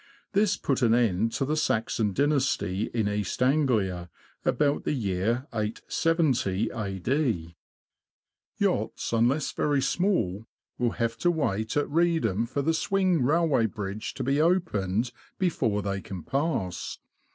This put an end to the Saxon dynasty in East Anglia, about the year 870 A.D. Yachts, unless very small, will have to wait at Reedham for the swing railway bridge to be opened before they can pass.